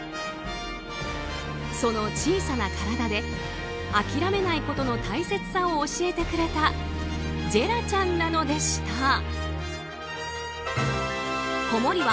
その小さな体で諦めないことの大切さを教えてくれたジェラちゃんなのでした。